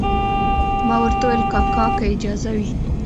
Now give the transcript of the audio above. ما ورته وویل کاکا که اجازه وي.